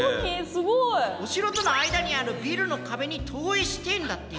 すごい。お城との間にあるビルの壁に投影してえんだってよ。